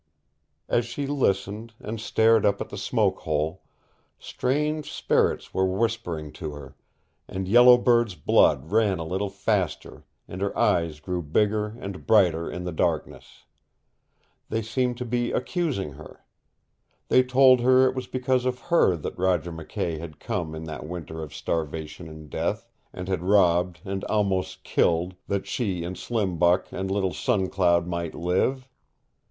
As she listened, and stared up at the smoke hole, strange spirits were whispering to her, and Yellow Bird's blood ran a little faster and her eyes grew bigger and brighter in the darkness. They seemed to be accusing her. They told her it was because of her that Roger McKay had come in that winter of starvation and death, and had robbed and almost killed, that she and Slim Buck and little Sun Cloud might live.